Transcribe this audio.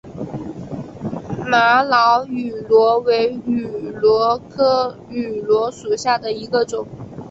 玛瑙芋螺为芋螺科芋螺属下的一个种。